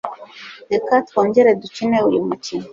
Reka twongere dukine uyu mukino